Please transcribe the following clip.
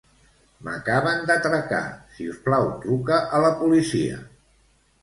M'acaben d'atracar; si us plau, truca a la policia.